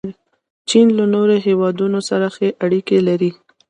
چین له نورو هیوادونو سره ښې اړیکې لري.